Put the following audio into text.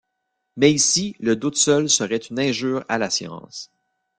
Mais ici le doute seul serait une injure à la science!